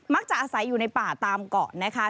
อาศัยอยู่ในป่าตามเกาะนะคะ